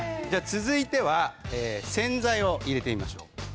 続いては洗剤を入れてみましょう。